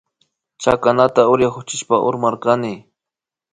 Chakanata uraykuchishpa urmarkani